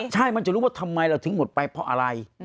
ใช่มันจะรู้ว่าทำไมเราถึงหมดไปเพราะอะไร